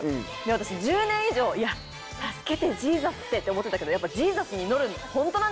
私１０年以上いや「助けてＪＥＳＵＳ」って。って思ってたけどやっぱジーザスに祈るの。